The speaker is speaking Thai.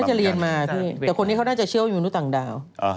ไปเดี๋ยวจะมีรูปให้ดูว่าเหมือนตรงไหน